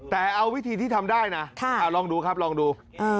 แต่เอาวิธีที่ทำได้นะลองดูครับลองดู